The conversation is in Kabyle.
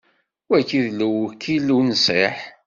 Wagi d lewkil unṣiḥ.